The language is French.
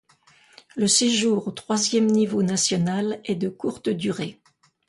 Le séjour au troisième niveau national est de courte durée.